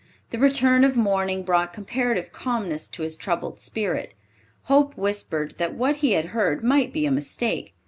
The return of morning brought comparative calmness to his troubled spirit. Hope whispered that what he had heard might be a mistake.